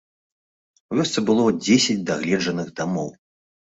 У вёсцы было дзесяць дагледжаных дамоў.